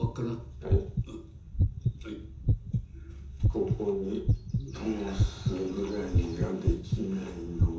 ここに通すぐらいができないのはおかしいでしょ。